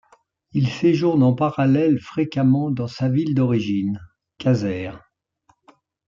Il séjourne en parallèle fréquemment dans sa ville d'origine, Cazères.